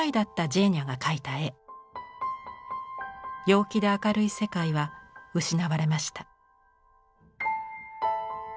陽気で明るい世界は失われました。